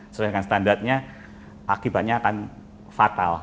sesuaikan standarnya akibatnya akan fatal